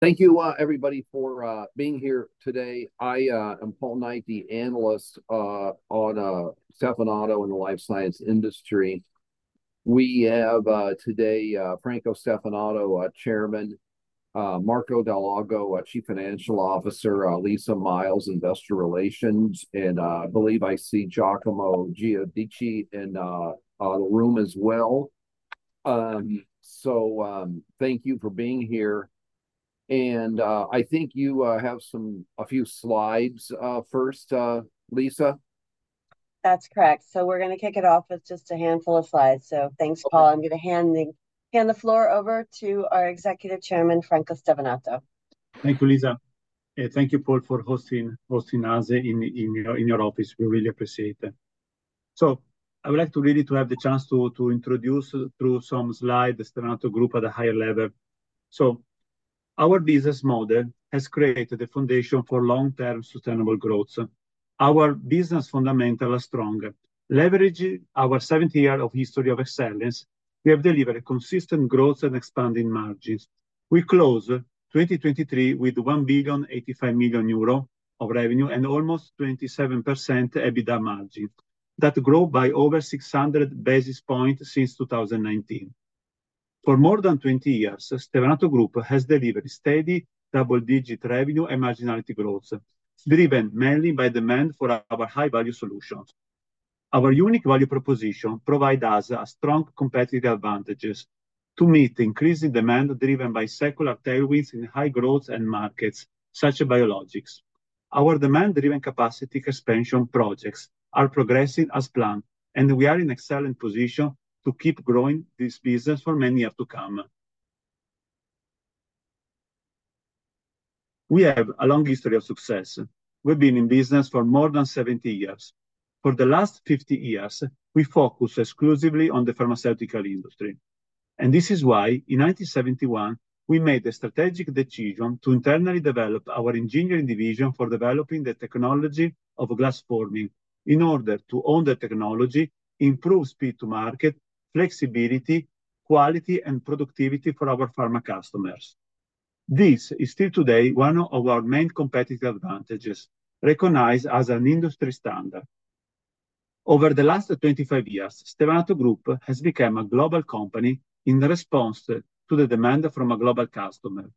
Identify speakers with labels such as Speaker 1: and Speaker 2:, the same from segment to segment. Speaker 1: Thank you, everybody, for being here today. I am Paul Knight, the analyst on Stevanato and the life science industry. We have today Franco Stevanato, Chairman, Marco Dal Lago, Chief Financial Officer, Lisa Miles, Investor Relations, and I believe I see Giacomo Giudici in the room as well. Thank you for being here. I think you have a few slides first, Lisa.
Speaker 2: That's correct. So, we're going to kick it off with just a handful of slides. So, thanks, Paul. I'm going to hand the floor over to our Executive Chairman, Franco Stevanato.
Speaker 3: Thank you, Lisa. And thank you, Paul, for hosting us in your office. We really appreciate it. So, I would like to really have the chance to introduce, through some slides, Stevanato Group at a higher level. So, our business model has created the foundation for long-term sustainable growth. Our business fundamentals are strong. Leveraging our 70-year history of excellence, we have delivered consistent growth and expanding margins. We closed 2023 with 1.085 billion of revenue and almost 27% EBITDA margin that grew by over 600 basis points since 2019. For more than 20 years, Stevanato Group has delivered steady double-digit revenue and marginality growth, driven mainly by demand for our high-value solutions, our unique value proposition provides us strong competitive advantages to meet increasing demand, driven by secular tailwinds in high growth markets such as biologics. Our demand-driven capacity expansion projects are progressing as planned, and we are in an excellent position to keep growing this business for many years to come. We have a long history of success. We've been in business for more than 70 years. For the last 50 years, we focused exclusively on the pharmaceutical industry. And this is why, in 1971, we made the strategic decision to internally develop our engineering division for developing the technology of glass forming in order to own the technology, improve speed to market, flexibility, quality, and productivity for our pharma customers. This is still today one of our main competitive advantages, recognized as an industry standard. Over the last 25 years, Stevanato Group has become a global company in response to the demand from a global customer.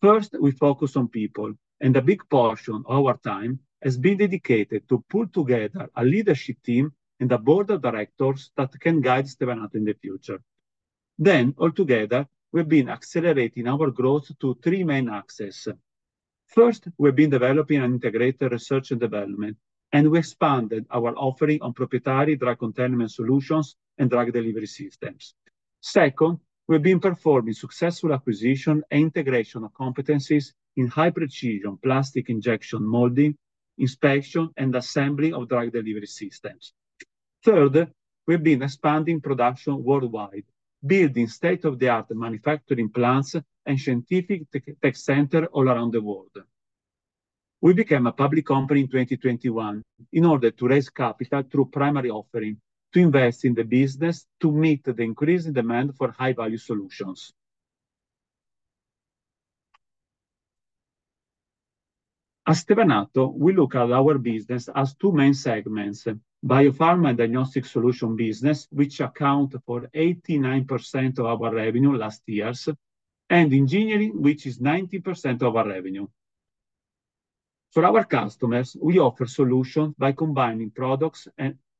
Speaker 3: First, we focused on people, and a big portion of our time has been dedicated to pull together a leadership team and a board of directors that can guide Stevanato in the future. Then, altogether, we've been accelerating our growth through three main axes. First, we've been developing an integrated research and development, and we expanded our offering on proprietary drug containment solutions and drug delivery systems. Second, we've been performing successful acquisition and integration of competencies in high precision plastic injection molding, inspection, and assembly of drug delivery systems. Third, we've been expanding production worldwide, building state-of-the-art manufacturing plants and scientific tech centers all around the world. We became a public company in 2021 in order to raise capital through primary offering, to invest in the business, to meet the increasing demand for high-value solutions. At Stevanato, we look at our business as two main segments: biopharma and diagnostic solution business, which account for 89% of our revenue last year, and engineering, which is 90% of our revenue. For our customers, we offer solutions by combining products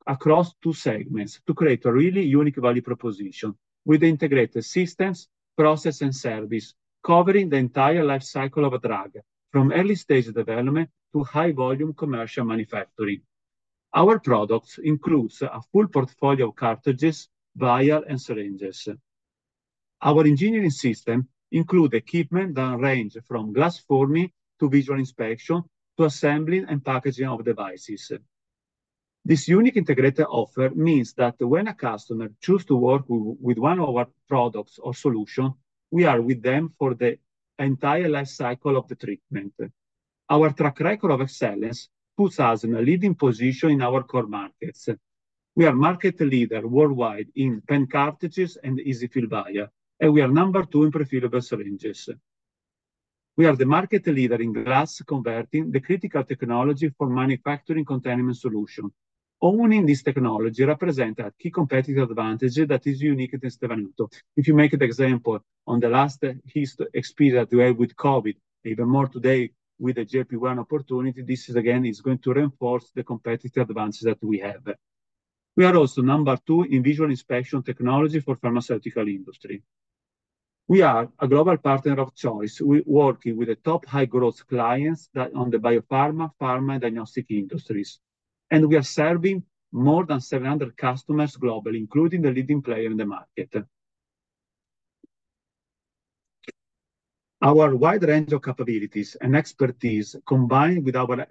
Speaker 3: across two segments to create a really unique value proposition with integrated systems, processes, and service, covering the entire life cycle of a drug, from early-stage development to high-volume commercial manufacturing. Our products include a full portfolio of cartridges, vials, and syringes. Our engineering system includes equipment that ranges from glass forming to visual inspection to assembling, and packaging of devices. This unique integrated offer means that when a customer chooses to work with one of our products or solutions, we are with them for the entire life cycle of the treatment. Our track record of excellence puts us in a leading position in our core markets. We are market leaders worldwide in pen cartridges and fill vials, and we are number two in prefillable syringes. We are the market leader in glass converting the critical technology for manufacturing containment solutions. Owning this technology represents a key competitive advantage that is unique to Stevanato. If you make the example on the last history experience that we had with COVID, even more today with the GLP-1 opportunity, this again is going to reinforce the competitive advantage that we have. We are also number two in visual inspection technology for the pharmaceutical industry. We are a global partner of choice, working with the top high-growth clients on the biopharma, pharma, and diagnostic industries. We are serving more than 700 customers globally, including the leading player in the market. Our wide range of capabilities and expertise, combined with our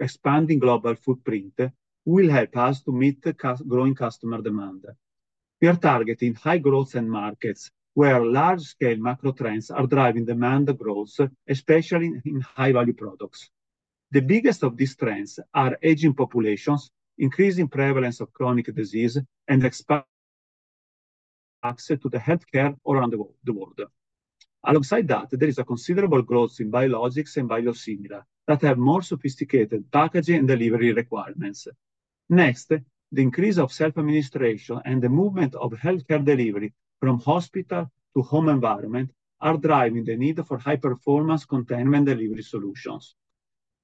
Speaker 3: expanding global footprint, will help us to meet growing customer demand. We are targeting high-growth markets where large-scale macro trends are driving demand growth, especially in high-value products. The biggest of these trends are aging populations, increasing prevalence of chronic disease, and access to healthcare around the world. Alongside that, there is considerable growth in biologics and biosimilars, which have more sophisticated packaging and delivery requirements. Next, the increase of self-administration and the movement of healthcare delivery from hospital to home environment are driving the need for high-performance containment delivery solutions.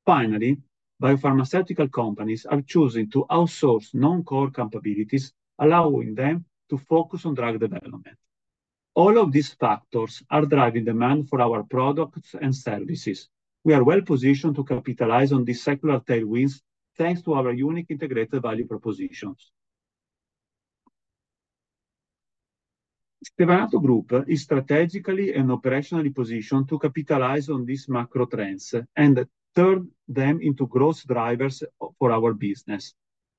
Speaker 3: Finally, biopharmaceutical companies are choosing to outsource non-core capabilities, allowing them to focus on drug development. All of these factors are driving demand for our products and services. We are well positioned to capitalize on these secular tailwinds thanks to our unique integrated value propositions. Stevanato Group is strategically and operationally positioned to capitalize on these macro trends and turn them into growth drivers for our business.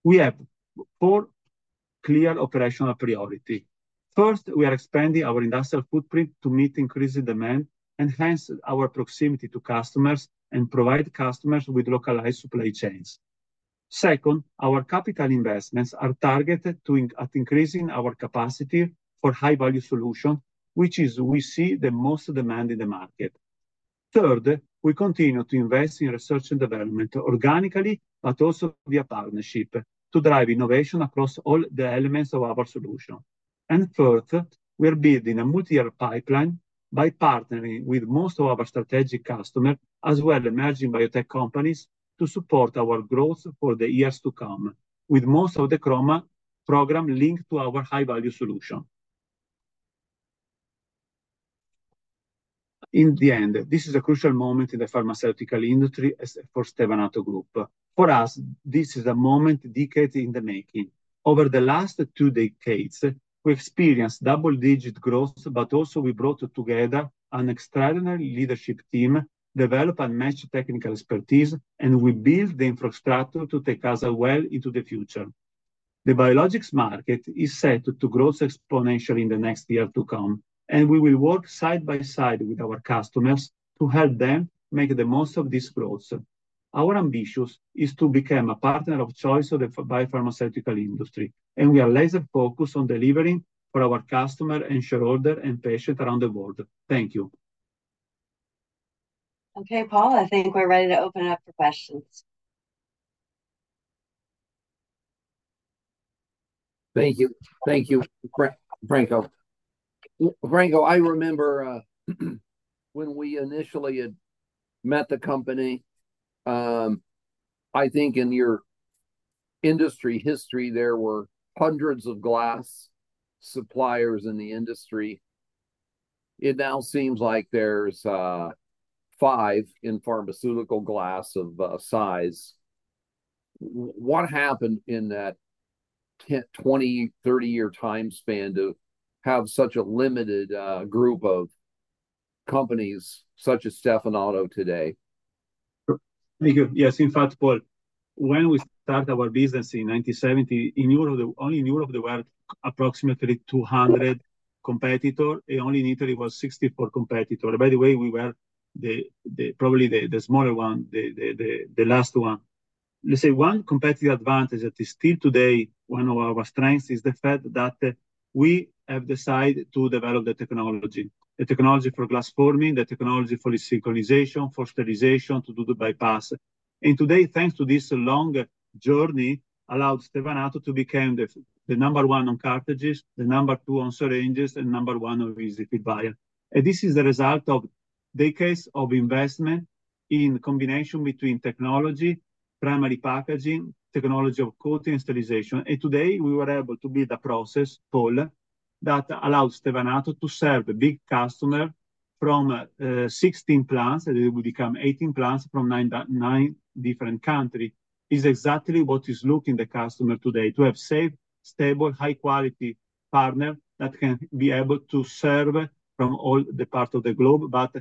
Speaker 3: We have four clear operational priorities. First, we are expanding our industrial footprint to meet increasing demand and hence our proximity to customers and provide customers with localized supply chains. Second, our capital investments are targeted at increasing our capacity for high-value solutions, which is where we see the most demand in the market. Third, we continue to invest in research and development organically but also via partnerships to drive innovation across all the elements of our solution. Fourth, we are building a multi-year pipeline by partnering with most of our strategic customers as well as emerging biotech companies to support our growth for the years to come, with most of the CHROMA program linked to our high-value solution. In the end, this is a crucial moment in the pharmaceutical industry for Stevanato Group. For us, this is a moment decades in the making. Over the last two decades, we experienced double-digit growth but also we brought together an extraordinary leadership team, developed and matched technical expertise, and we built the infrastructure to take us well into the future. The biologics market is set to grow exponentially in the next year to come, and we will work side by side with our customers to help them make the most of this growth. Our ambition is to become a partner of choice of the biopharmaceutical industry, and we are laser-focused on delivering for our customers, shareholders, and patients around the world. Thank you.
Speaker 2: Okay, Paul, I think we're ready to open it up for questions.
Speaker 1: Thank you. Thank you, Franco. Franco, I remember when we initially met the company. I think in your industry history there were hundreds of glass suppliers in the industry. It now seems like there's five in pharmaceutical glass of size. What happened in that 20- to 30-year time span to have such a limited group of companies such as Stevanato today?
Speaker 3: Thank you. Yes, in fact, Paul, when we started our business in 1970, in Europe only in Europe there were approximately 200 competitors, and only in Italy were 64 competitors. By the way, we were probably the smaller one, the last one. Let's say one competitive advantage that is still today one of our strengths is the fact that we have decided to develop the technology. The technology for glass forming, the technology for siliconization, for sterilization, to do the bypass. And today, thanks to this long journey, allowed Stevanato to become the number one on cartridges, the number two on syringes, and number one on EZ-fill vials. And this is the result of decades of investment in combination between technology, primary packaging, technology of coating and sterilization. Today we were able to build a process, Paul, that allowed Stevanato to serve a big customer from 16 plants, and it will become 18 plants from nine different countries. It's exactly what is looking at the customer today: to have a safe, stable, high-quality partner that can be able to serve from all the parts of the globe but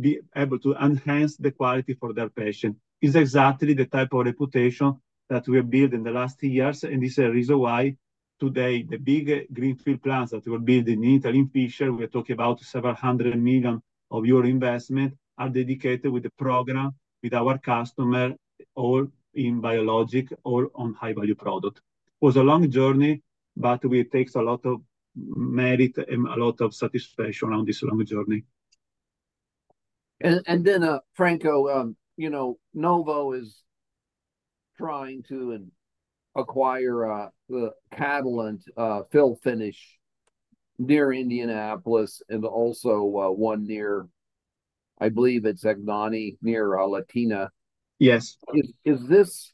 Speaker 3: be able to enhance the quality for their patients. It's exactly the type of reputation that we have built in the last year, and this is the reason why today the big greenfield plants that we were building in Italy, in Fishers, we're talking about 700 million investment, are dedicated with the program, with our customer, all in biologics, all on high-value products. It was a long journey, but it takes a lot of merit and a lot of satisfaction around this long journey.
Speaker 1: And then, Franco, you know Novo is trying to acquire the Catalent fill-finish near Indianapolis and also one near, I believe it's Anagni, near Latina. Is this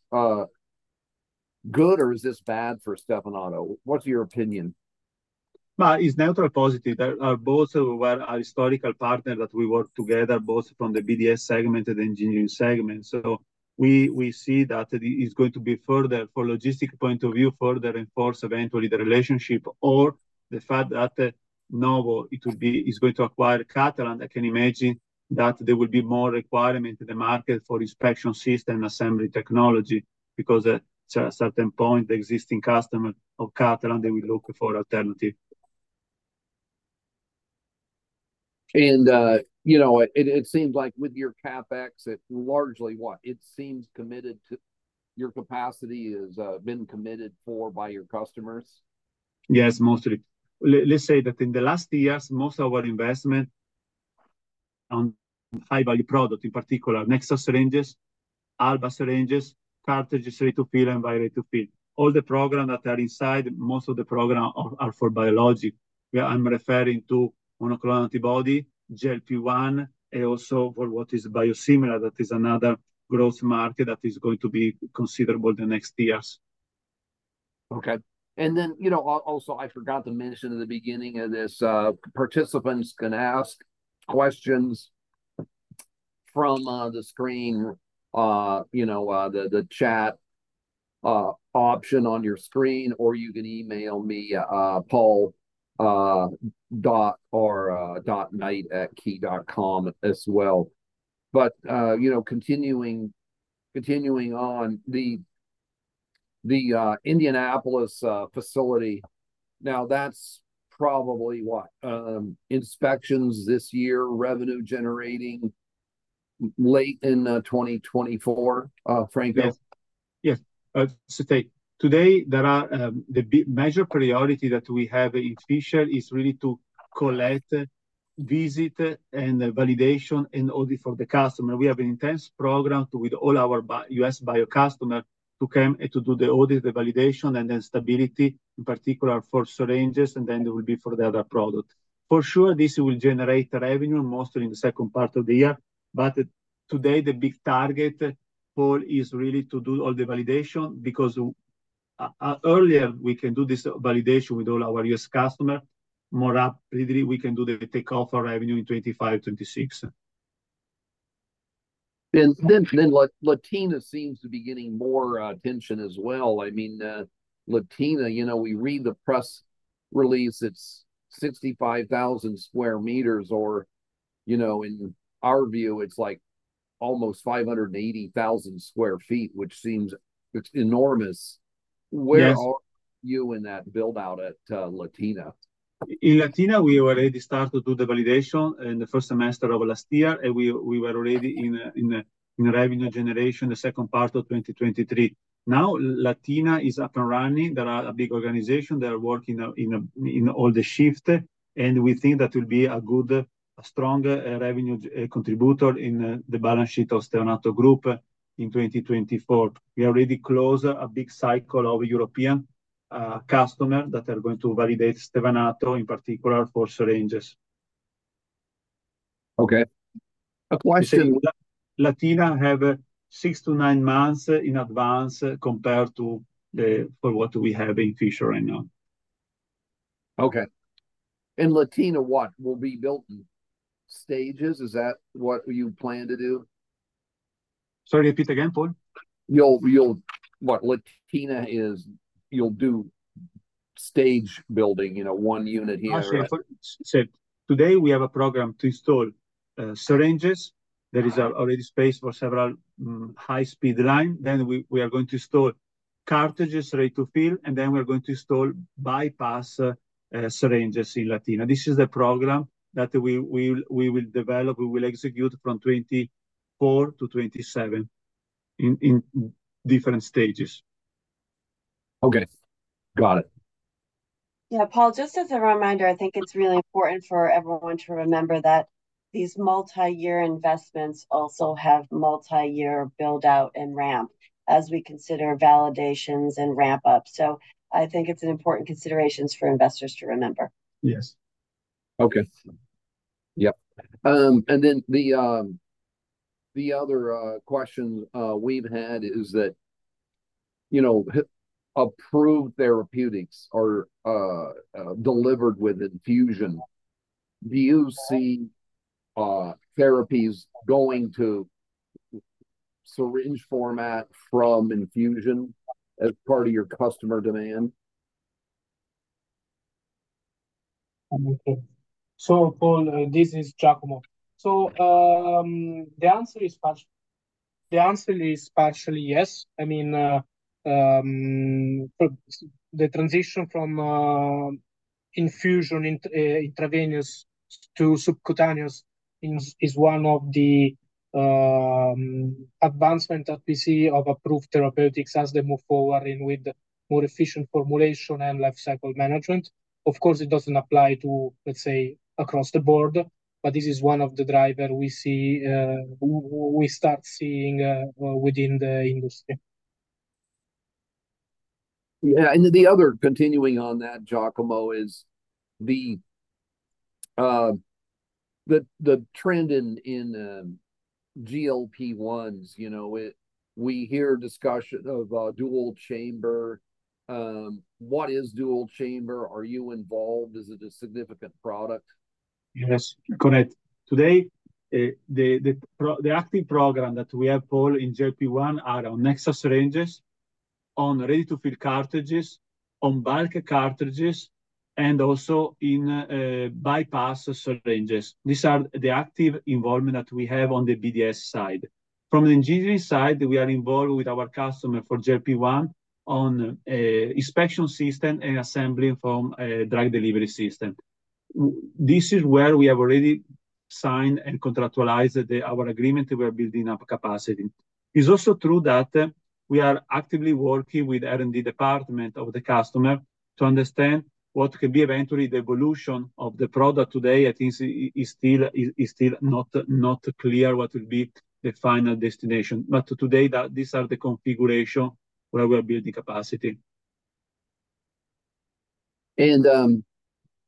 Speaker 1: good or is this bad for Stevanato? What's your opinion?
Speaker 3: It's neutral positive. Both were our historical partners that we worked together, both from the BDS segment and the engineering segment. So, we see that it's going to be further, from a logistic point of view, further enforce eventually the relationship, or the fact that Novo is going to acquire Catalent, I can imagine that there will be more requirements in the market for inspection system assembly technology because at a certain point the existing customer of Catalent, they will look for alternatives.
Speaker 1: You know, it seems like with your CapEx, it largely what? It seems committed to your capacity has been committed for by your customers?
Speaker 3: Yes, mostly. Let's say that in the last years, most of our investment on high-value products, in particular Nexa syringes, Alba syringes, cartridges ready to fill and vials ready to fill, all the programs that are inside, most of the programs are for biologics. I'm referring to monoclonal antibody, GLP-1, and also for what is biosimilar, that is another growth market that is going to be considerable in the next years.
Speaker 1: Okay. And then you know also, I forgot to mention at the beginning of this, participants can ask questions from the screen, you know the chat option on your screen, or you can email me, paul.knight@key.com, as well. But you know continuing on, the Indianapolis facility, now that's probably what? Inspections this year, revenue generating late in 2024, Franco?
Speaker 3: Yes. Yes. Today, the major priority that we have in Fishers is really to collect, visit, and validation and audit for the customer. We have an intense program with all our US bio customers to come and to do the audit, the validation, and then stability, in particular for syringes, and then it will be for the other products. For sure, this will generate revenue, mostly in the second part of the year. But today, the big target, Paul, is really to do all the validation because earlier we can do this validation with all our US customers, more rapidly we can do the takeoff of revenue in 2025, 2026.
Speaker 1: Then Latina seems to be getting more attention as well. I mean, Latina, you know we read the press release, it's 65,000 square meters, or you know in our view, it's like almost 580,000 sq ft, which seems enormous. Where are you in that build-out at Latina?
Speaker 3: In Latina, we already started to do the validation in the first semester of last year, and we were already in revenue generation in the second part of 2023. Now Latina is up and running. They are a big organization. They are working in all the shifts. We think that will be a good, strong revenue contributor in the balance sheet of Stevanato Group in 2024. We already closed a big cycle of European customers that are going to validate Stevanato, in particular for syringes.
Speaker 1: Okay. A question.
Speaker 3: Latina have 6-9 months in advance compared to what we have in Fishers right now.
Speaker 1: Okay. Latina, what? Will be built in stages? Is that what you plan to do?
Speaker 3: Sorry, repeat again, Paul?
Speaker 1: You'll what? Latina is you'll do stage building, you know one unit here.
Speaker 3: Actually, today we have a program to install syringes. There is already space for several high-speed lines. Then we are going to install cartridges ready to fill, and then we are going to install bypass syringes in Latina. This is the program that we will develop, we will execute from 2024 to 2027 in different stages.
Speaker 1: Okay. Got it.
Speaker 2: Yeah, Paul, just as a reminder, I think it's really important for everyone to remember that these multi-year investments also have multi-year build-out and ramp as we consider validations and ramp-ups. So, I think it's an important consideration for investors to remember.
Speaker 3: Yes.
Speaker 1: Okay. Yep. And then the other question we've had is that approved therapeutics are delivered with infusion. Do you see therapies going to syringe format from infusion as part of your customer demand?
Speaker 3: So, Paul, this is Giacomo. So, the answer is partially yes. I mean, the transition from infusion intravenous to subcutaneous is one of the advancements that we see of approved therapeutics as they move forward with more efficient formulation and lifecycle management. Of course, it doesn't apply to, let's say, across the board, but this is one of the drivers we start seeing within the industry.
Speaker 1: Yeah. The other, continuing on that, Giacomo, is the trend in GLP-1s. We hear discussion of dual chamber. What is dual chamber? Are you involved? Is it a significant product?
Speaker 3: Yes, correct. Today, the active program that we have, Paul, in GLP-1 are on Nexa syringes, on ready-to-fill cartridges, on bulk cartridges, and also in bypass syringes. These are the active involvement that we have on the BDS side. From the engineering side, we are involved with our customer for GLP-1 on inspection system and assembly from drug delivery system. This is where we have already signed and contractualized our agreement to build up capacity. It's also true that we are actively working with the R&D department of the customer to understand what the evolution of the product could be eventually today. I think it's still not clear what will be the final destination. But today, these are the configurations where we are building capacity.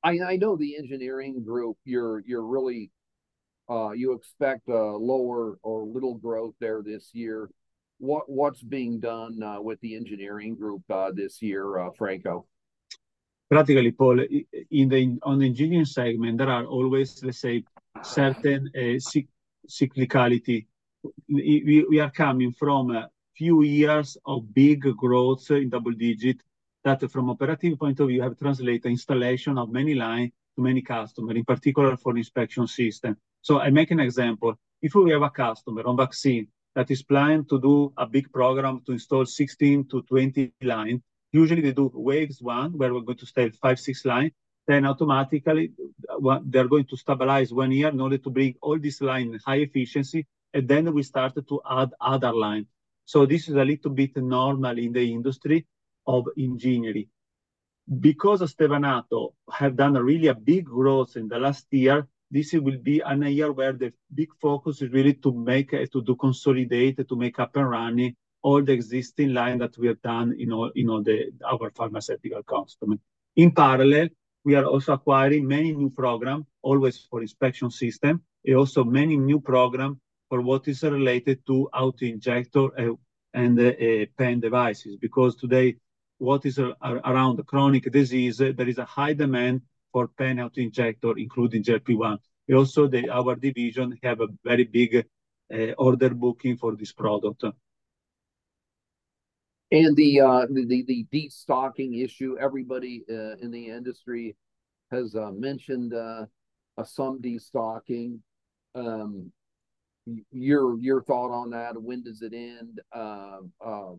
Speaker 1: I know the engineering group, you expect lower or little growth there this year. What's being done with the engineering group this year, Franco?
Speaker 3: Practically, Paul, on the engineering segment, there are always, let's say, certain cyclicality. We are coming from a few years of big growth in double digits that, from an operative point of view, have translated installation of many lines to many customers, in particular for inspection systems. So, I make an example. If we have a customer on vaccine that is planning to do a big program to install 16-20 lines, usually they do waves one where we're going to stay 5-6 lines. Then automatically, they're going to stabilize 1 year in order to bring all these lines in high efficiency, and then we start to add other lines. So, this is a little bit normal in the industry of engineering. Because Stevanato has done really a big growth in the last year, this will be a year where the big focus is really to consolidate, to make up and running all the existing lines that we have done in all our pharmaceutical customers. In parallel, we are also acquiring many new programs, always for inspection systems, and also many new programs for what is related to autoinjector and pen devices. Because today, what is around chronic disease, there is a high demand for pen autoinjector, including GLP-1. Also, our division has a very big order booking for this product.
Speaker 1: The de-stocking issue, everybody in the industry has mentioned some de-stocking. Your thought on that, when does it end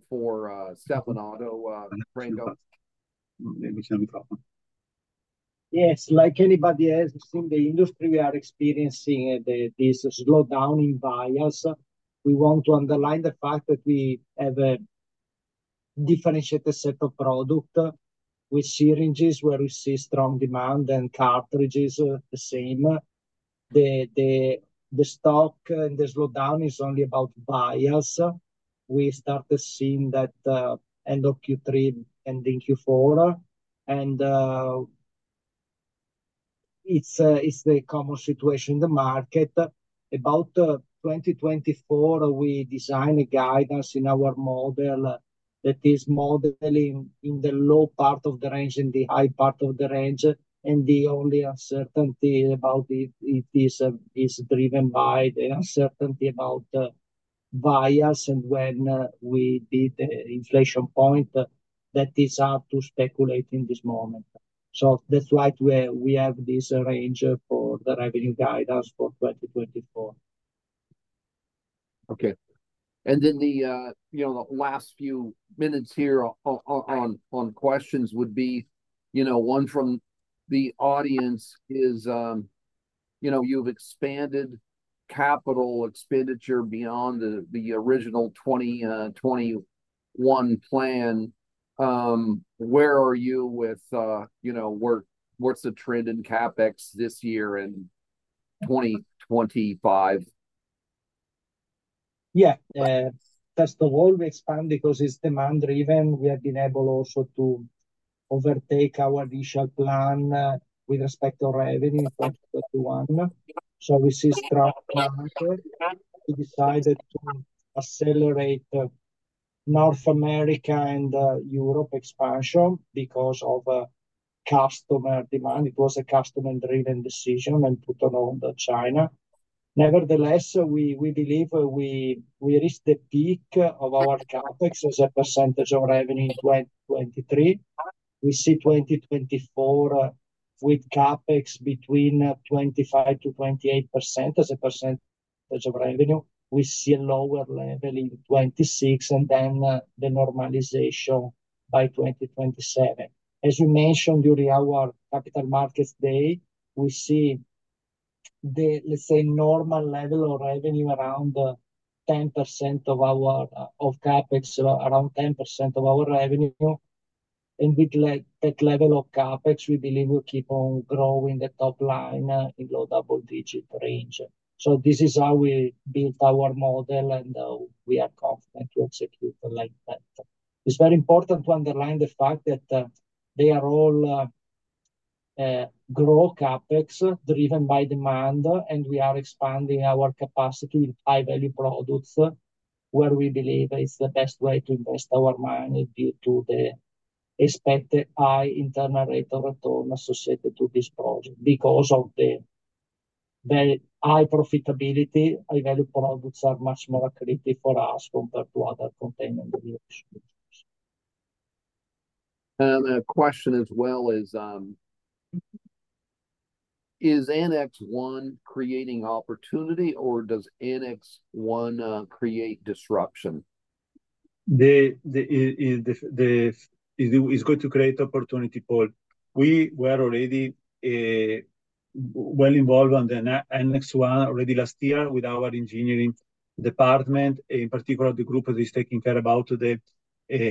Speaker 1: for Stevanato, Franco?
Speaker 3: Let me share my thought. Yes, like anybody else in the industry, we are experiencing this slowdown in vials. We want to underline the fact that we have a differentiated set of products with syringes where we see strong demand and cartridges the same. The stock and the slowdown is only about vials. We started seeing that end of Q3 and in Q4. It's the common situation in the market. About 2024, we designed a guidance in our model that is modeling in the low part of the range and the high part of the range, and the only uncertainty about it is driven by the uncertainty about vials and when we beat the inflection point that is hard to speculate in this moment. So, that's why we have this range for the revenue guidance for 2024.
Speaker 1: Okay. And then the last few minutes here on questions would be one from the audience is you've expanded capital expenditure beyond the original 2021 plan. Where are you with what's the trend in CapEx this year and 2025?
Speaker 3: Yeah. First of all, we expand because it's demand driven. We have been able also to overtake our initial plan with respect to revenue in 2021. So, we see strong demand. We decided to accelerate North America and Europe expansion because of customer demand. It was a customer-driven decision and put on hold China. Nevertheless, we believe we reached the peak of our CapEx as a percentage of revenue in 2023. We see 2024 with CapEx between 25%-28% as a percentage of revenue. We see a lower level in 2026 and then the normalization by 2027. As we mentioned during our capital markets day, we see the, let's say, normal level of revenue around 10% of our CapEx, around 10% of our revenue. And with that level of CapEx, we believe we'll keep on growing the top line in low double-digit range. This is how we built our model, and we are confident to execute like that. It's very important to underline the fact that they are all growth CapEx driven by demand, and we are expanding our capacity in high-value products where we believe it's the best way to invest our money due to the expected high internal rate of return associated to this project because of the very high profitability. High-value products are much more accretive for us compared to other containment solutions.
Speaker 1: A question as well is, is Annex 1 creating opportunity, or does Annex 1 create disruption?
Speaker 3: It's going to create opportunity, Paul. We were already well involved on the Annex 1 already last year with our engineering department, in particular, the group that is taking care about the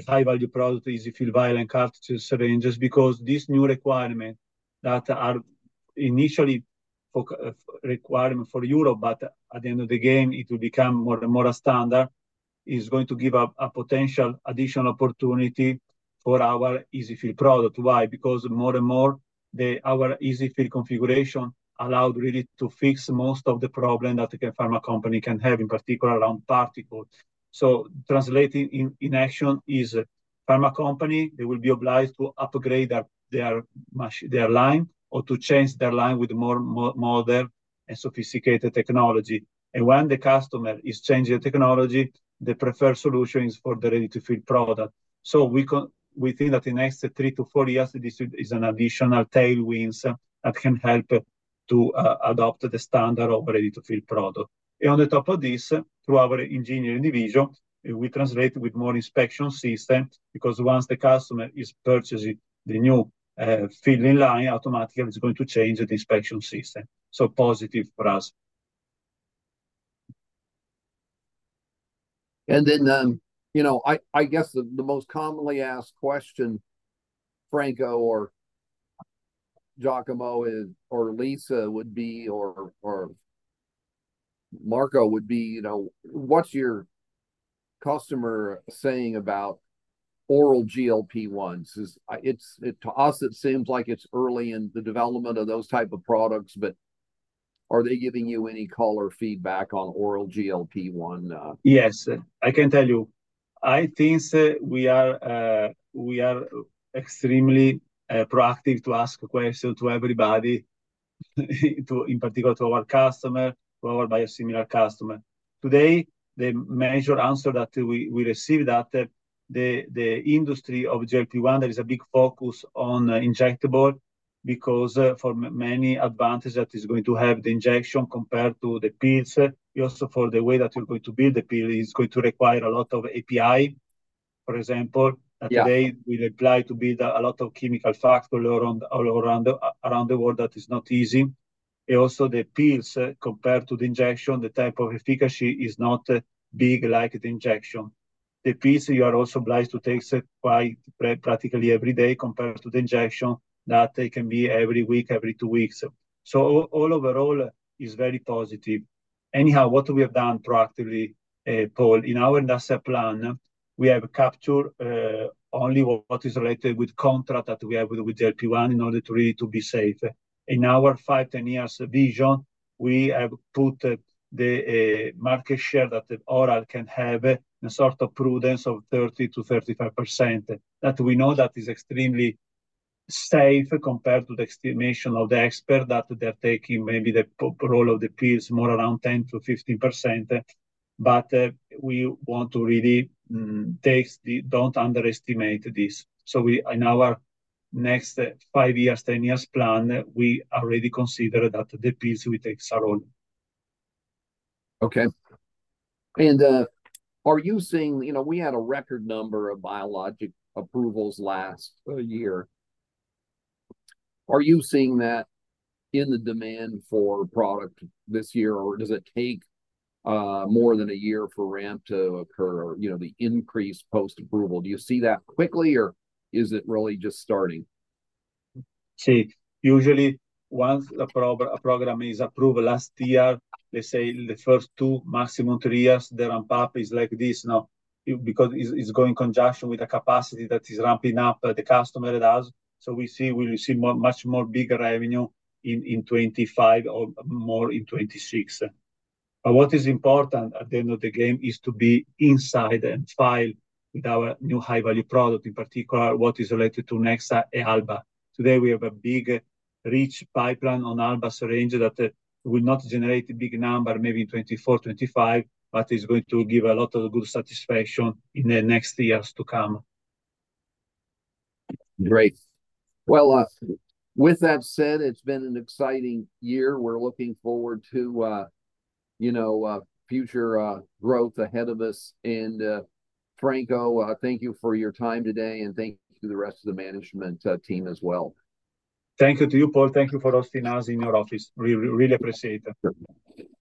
Speaker 3: high-value product, EZ-fill vial and cartridge syringes because this new requirement that are initially requirements for Europe, but at the end of the game, it will become more and more a standard, is going to give a potential additional opportunity for our EZ-fill product. Why? Because more and more, our EZ-fill configuration allowed really to fix most of the problems that a pharma company can have, in particular, around particles. So, translating in action is pharma companies, they will be obliged to upgrade their line or to change their line with more modern and sophisticated technology. And when the customer is changing the technology, the preferred solution is for the ready-to-fill product. So, we think that in the next 3-4 years, this is an additional tailwind that can help to adopt the standard of ready-to-fill product. On the top of this, through our engineering division, we translate with more inspection systems because once the customer is purchasing the new filling line, automatically, it's going to change the inspection system. So, positive for us.
Speaker 1: Then I guess the most commonly asked question, Franco or Giacomo or Lisa would be or Marco would be, what's your customer saying about oral GLP-1s? To us, it seems like it's early in the development of those types of products, but are they giving you any call or feedback on oral GLP-1?
Speaker 3: Yes. I can tell you. I think we are extremely proactive to ask questions to everybody, in particular, to our customer, to our biosimilar customer. Today, the major answer that we received is that the industry of GLP-1, there is a big focus on injectable because for many advantages that it's going to have the injection compared to the pills. Also, for the way that you're going to build the pill, it's going to require a lot of API, for example. Today, we're applying to build a lot of chemical factories all around the world that is not easy. And also, the pills, compared to the injection, the type of efficacy is not big like the injection. The pills, you are also obliged to take quite practically every day compared to the injection that can be every week, every two weeks. So, all overall, it's very positive. Anyhow, what we have done proactively, Paul, in our industrial plan, we have captured only what is related with contract that we have with GLP-1 in order to really be safe. In our 5-10 years vision, we have put the market share that oral can have in a sort of prudence of 30%-35% that we know that is extremely safe compared to the estimation of the experts that they're taking maybe the role of the pills more around 10%-15%. But we want to really don't underestimate this. So, in our next 5 years, 10 years plan, we already consider that the pills will take our role.
Speaker 1: Okay. Are you seeing we had a record number of biologics approvals last year? Are you seeing that in the demand for product this year, or does it take more than a year for ramp to occur or the increase post-approval? Do you see that quickly, or is it really just starting?
Speaker 3: See, usually, once a program is approved last year, let's say the first two, maximum three years, the ramp-up is like this now because it's going in conjunction with the capacity that is ramping up the customer does. So, we will see much more big revenue in 2025 or more in 2026. But what is important at the end of the game is to be inside and file with our new high-value product, in particular, what is related to Nexa and Alba. Today, we have a big, rich pipeline on Alba syringe that will not generate a big number maybe in 2024, 2025, but it's going to give a lot of good satisfaction in the next years to come.
Speaker 1: Great. Well, with that said, it's been an exciting year. We're looking forward to future growth ahead of us. Franco, thank you for your time today, and thank you to the rest of the management team as well.
Speaker 3: Thank you to you, Paul. Thank you for hosting us in your office. We really appreciate it. Sure. All.